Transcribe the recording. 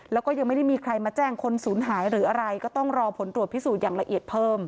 แล้วก็ยังไม่ได้มีใครมาแจ้งคนศูนย์หายหรืออะไรก็ต้องรอผลตรวจพิสูจน์อย่างละเอียดเพิ่ม